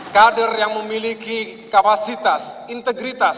kader yang memiliki kapasitas integritas